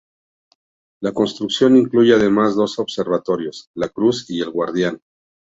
La construcción incluye además dos observatorios: La Cruz y El Guardián.